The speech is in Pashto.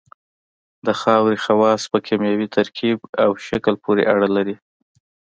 د خاورې خواص په کیمیاوي ترکیب او شکل پورې اړه لري